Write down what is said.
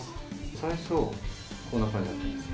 最初はこんな感じだったんですす。